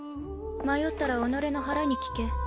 迷ったら己の腹に聞け。